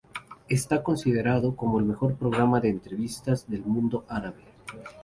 Está considerado como el mejor programa de entrevistas del mundo árabe.